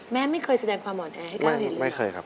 แม่ไม่เคยแสดงความหัวแอไม่เคยครับ